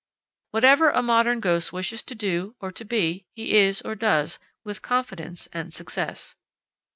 Whatever a modern ghost wishes to do or to be, he is or does, with confidence and success.